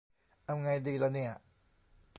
เอาไงดีละเนี่ย